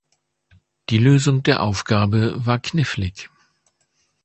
Die Lösung der Aufgabe war knifflig.